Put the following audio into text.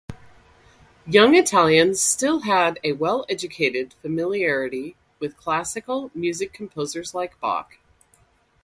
Young Italians still had a well-educated familiarity with classical music composers like Bach.